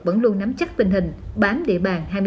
vẫn luôn nắm chắc tình hình bám địa bàn